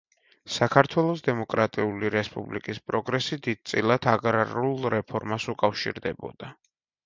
საქართველოს დემოკრატიული რესპუბლიკის პროგრესი დიდწილად აგრარულ რეფორმას უკავშირდებოდა.